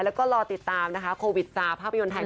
แล้วก็รอติดตามนะคะโควิดซาภาพยนตร์ไทย